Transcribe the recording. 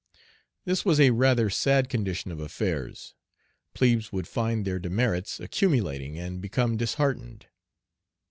This was a rather sad condition of affairs. Plebes would find their demerits accumulating and become disheartened.